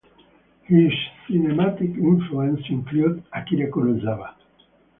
His cinematic influences included Akira Kurosawa.